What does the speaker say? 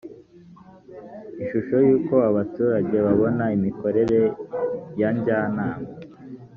ishusho y’uko abaturage babona imikorere ya njyanama